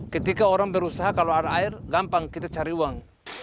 ketika orang berusaha kalau ada air gampang kita cari uang